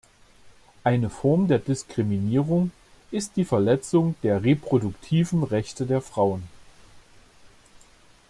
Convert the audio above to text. Eine Form der Diskriminierung ist die Verletzung der reproduktiven Rechte der Frauen.